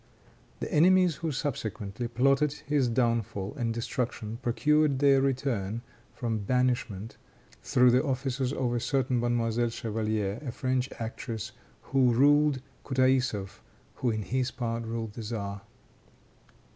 The enemies who subsequently plotted his downfall and destruction procured their return from banishment through the offices of a certain Mademoiselle Chevalier, a French actress who ruled Kutaisoff, who on his part ruled the Czar.